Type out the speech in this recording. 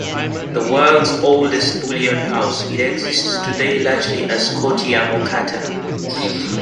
The world's oldest bullion house, it exists today largely as ScotiaMocatta.